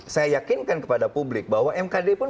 saya yakinkan kepada publik bahwa mkd pun